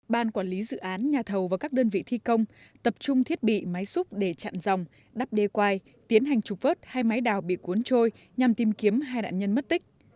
ban quản lý dự án nhà thầu và các đơn vị thi công tập trung thiết bị máy xúc để chặn dòng đắp đê quai tiến hành trục vớt hai máy đào bị cuốn trôi nhằm tìm kiếm hai nạn nhân mất tích